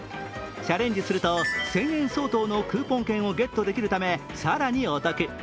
チャレンジすると１０００円相当のクーポン券ほゲットできるため更にお得。